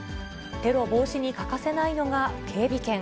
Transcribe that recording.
テロ防止に欠かせないのが警備犬。